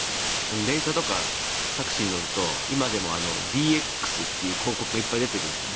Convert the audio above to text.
電車とかタクシーに乗ると今でもＤＸという広告がたくさん出てるんですよ。